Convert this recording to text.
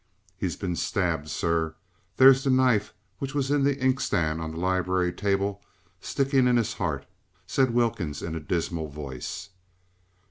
"He's been stabbed, sir. There's that knife which was in the inkstand on the library table stickin' in 'is 'eart," said Wilkins in a dismal voice.